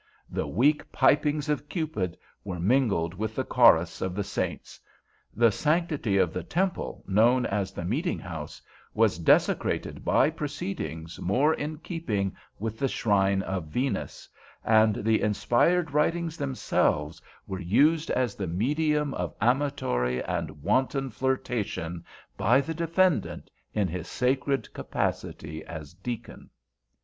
The weak pipings of Cupid were mingled with the chorus of the saints—the sanctity of the temple known as the "meeting house" was desecrated by proceedings more in keeping with the shrine of Venus—and the inspired writings themselves were used as the medium of amatory and wanton flirtation by the defendant in his sacred capacity as Deacon.